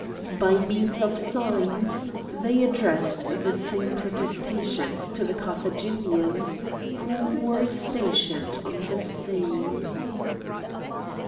By means of signs they addressed the same protestations to the Carthaginians, who were stationed on the sea.